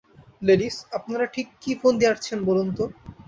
Ladies, আপনারা ঠিক কী ফন্দী আটছেন বলুন তো?